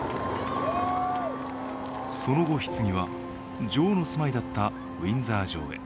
その後、ひつぎは、女王の住まいだったウィンザー城へ。